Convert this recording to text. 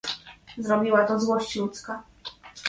"Zrobiła to złość ludzka..."